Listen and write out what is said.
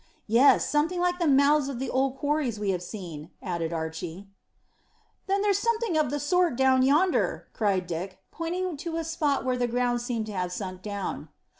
"Yes, something like the mouths of the old quarries we have seen," added Archy. "Then there's something of the sort down yonder," cried Dick, pointing to a spot where the ground seemed to have sunk down.